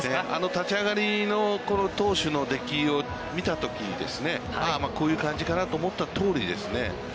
立ち上がりのこの投手のできを見たときにですね、こういう感じかなと思ったとおりですね。